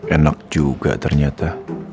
enak juga ternyata